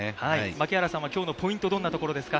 槙原さんは今日のポイントはどんなところですか？